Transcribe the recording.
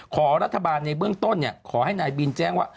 ขอรัฐบาลในเบื้องต้นขอให้นายบินแจ้งว่า